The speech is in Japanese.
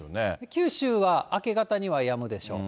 九州は明け方にはやむでしょう。